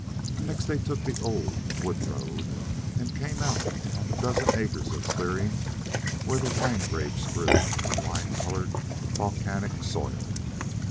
Next they took the old wood road and came out on the dozen acres of clearing where the wine grapes grew in the wine colored volcanic soil.